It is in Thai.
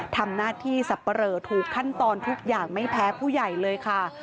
ทำหน้าที่สับปะเหลอถูกขั้นตอนทุกอย่างไม่แพ้ผู้ใหญ่เลยค่ะ